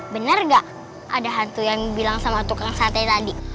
benar nggak ada hantu yang bilang sama tukang sate tadi